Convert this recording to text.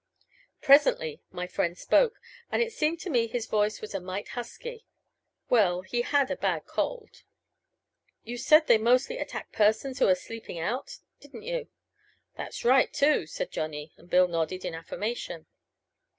Presently my friend spoke, and it seemed to me his voice was a mite husky. Well, he had a bad cold. "You said they mostly attack persons who are sleeping out, didn't you?" "That's right, too," said Johnny, and Bill nodded in affirmation.